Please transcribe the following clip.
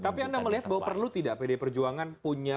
tapi anda melihat bahwa perlu tidak pdi perjuangan punya